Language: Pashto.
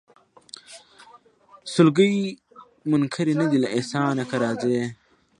سلګۍ منکري نه دي له احسانه که راځې